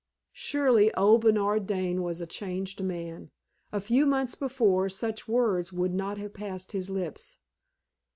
Surely old Bernard Dane was a changed man. A few months before, such words would not have passed his lips.